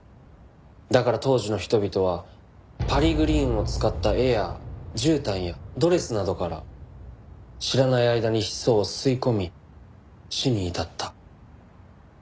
だから当時の人々はパリグリーンを使った絵や絨毯やドレスなどから知らない間にヒ素を吸い込み死に至った。